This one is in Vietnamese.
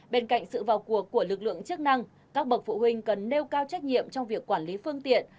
bên cạnh sự vào cuộc của lực lượng chức năng các bậc phụ huynh cần nêu cao trách nhiệm trong việc quản lý phương tiện